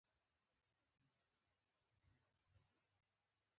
چې هغوی ستا د خوشحالۍ سبب شوي دي.